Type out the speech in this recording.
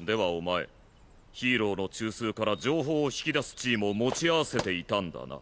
ではおまえヒーローの中枢から情報を引き出す地位も持ち合わせていたんだな。